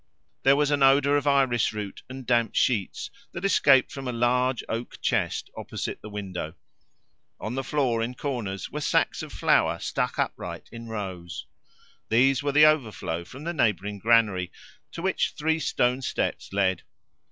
There was an odour of iris root and damp sheets that escaped from a large oak chest opposite the window. On the floor in corners were sacks of flour stuck upright in rows. These were the overflow from the neighbouring granary, to which three stone steps led.